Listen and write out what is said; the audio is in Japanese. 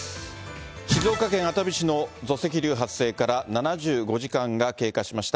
静岡県熱海市の土石流発生から７５時間が経過しました。